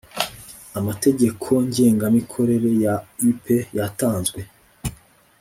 amategeko ngengamikorere ya U P yatanzwe